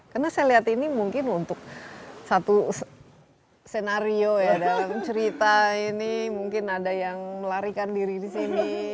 karena saya lihat ini mungkin untuk satu senario ya dalam cerita ini mungkin ada yang melarikan diri di sini